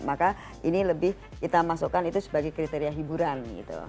maka ini lebih kita masukkan itu sebagai kriteria hiburan gitu